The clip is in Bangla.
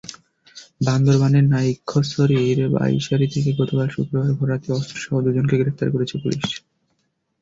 বান্দরবানের নাইক্ষ্যংছড়ির বাইশারি থেকে গতকাল শুক্রবার ভোররাতে অস্ত্রসহ দুজনকে গ্রেপ্তার করেছে পুলিশ।